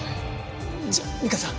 じゃあ美加さん